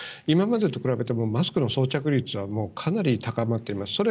今までと比べてもマスクの装着率はかなり高まっています。